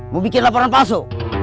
mau bikin laporan palsu